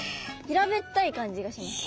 平べったい感じがします。